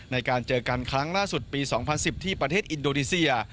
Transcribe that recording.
ในการเจอกันครั้งล่าสุดปี๒๐๑๐ที่ประเทศอินโดนีเซีย